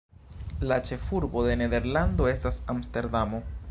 La ĉefurbo de Nederlando estas Amsterdamo.